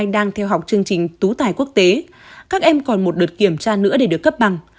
đang theo học chương trình tú tài quốc tế các em còn một đợt kiểm tra nữa để được cấp bằng